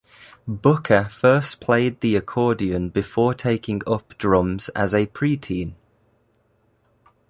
Booker first played the accordion before taking up drums as a pre-teen.